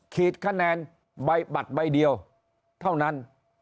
ขีดคะแนนใบบัตรใบเดียวเท่านั้น